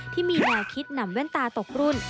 ที่มีรายคิดหนำว่านตาตกรุ่น